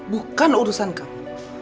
bukan urusan kamu